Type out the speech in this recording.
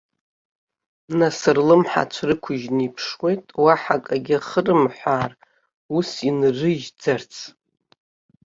Нас рлымҳацә рықәыжьны иԥшуеит, уаҳа акгьы ахырымҳәаар ус инрыжьӡарц.